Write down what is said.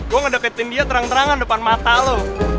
gue ngedeketin dia terang terangan depan mata lo